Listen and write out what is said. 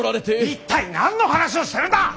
一体何の話をしてるんだ！